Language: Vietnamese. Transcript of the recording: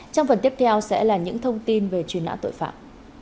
trong phần tiếp theo sẽ là những thông tin về truy nã tội phạm